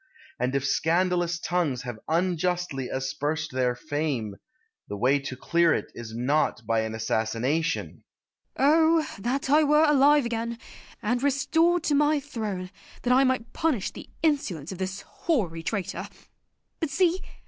And if scandalous tongues have unjustly aspersed their fame, the way to clear it is not by an assassination. Christina. Oh! that I were alive again, and restored to my throne, that I might punish the insolence of this hoary traitor! But, see!